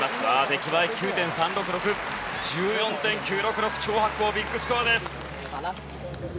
出来栄え、９．３６６。１４．９６６でチョウ・ハクコウビッグスコアです。